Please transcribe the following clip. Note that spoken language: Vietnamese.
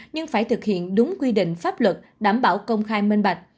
nhưng phải thực hiện đúng quy định pháp luật đảm bảo công khai minh bạch